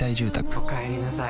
おかえりなさい。